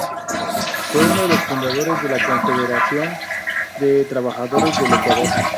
Fue uno de los fundadores de la Confederación de Trabajadores del Ecuador.